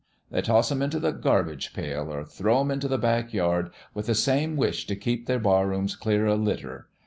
They toss 'em into the garbage pail, or throw 'em into the back yard, with the same wish t' keep their barrooms clear o' litter.